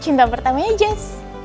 cinta pertamanya jess